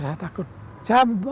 saya harus berani mengambil resiko